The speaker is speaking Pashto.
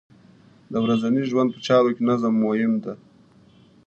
د ورځنۍ ژوند په چارو کې نظم مهم دی.